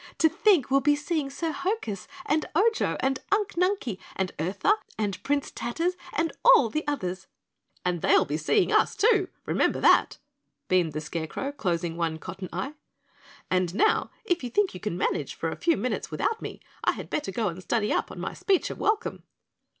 To think we'll be seeing Sir Hokus and Ojo and Unk Nunkie and Urtha and Prince Tatters and all the others " "And they'll be seeing us, too, remember that," beamed the Scarecrow, closing one cotton eye. "And now, if you think you can manage for a few minutes without me, I had better go and study up on my speech of welcome."